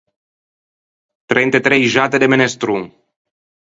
Trent’e trei xatte de menestron.